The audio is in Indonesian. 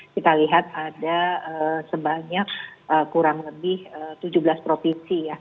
kita lihat ada sebanyak kurang lebih tujuh belas provinsi ya